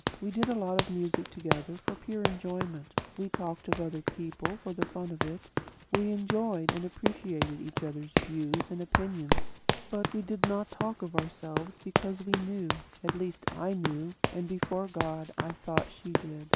We did a lot of music together for pure enjoyment; we talked of other people for the fun of it; we enjoyed and appreciated each other's views and opinions; but we did not talk of ourselves, because we KNEW, at least I knew, and, before God, I thought she did.